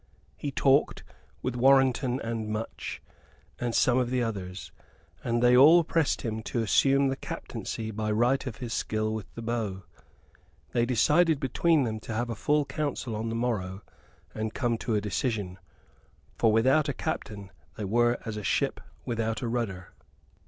He talked with Warrenton and Much and some of the others, and they all pressed him to assume the captaincy by right of his skill with the bow. They decided between them to have a full council on the morrow and come to a decision: for without a captain they were as a ship without a rudder.